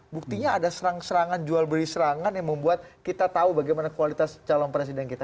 buktinya ada serang serangan jual beri serangan yang membuat kita tahu bagaimana kualitas calon presiden kita